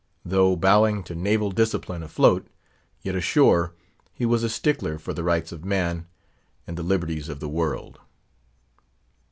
Though bowing to naval discipline afloat; yet ashore, he was a stickler for the Rights of Man, and the liberties of the world.